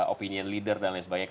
opinion leader dan lain sebagainya